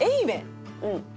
うん。